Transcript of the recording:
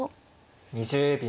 ２０秒。